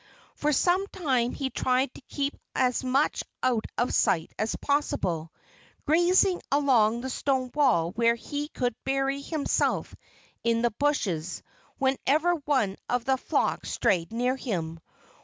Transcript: For some time he tried to keep as much out of sight as possible, grazing along the stone wall where he could bury himself in the bushes whenever one of the flock strayed near him.